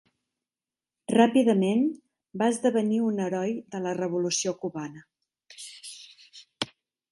Ràpidament va esdevenir un heroi de la revolució cubana.